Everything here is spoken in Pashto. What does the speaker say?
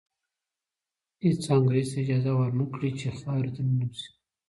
هېڅ انګریز ته اجازه ور نه کړي چې خاورې ته ننوځي.